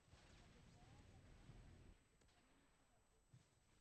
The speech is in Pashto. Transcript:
آب وهوا د افغان کلتور په داستانونو کې راځي.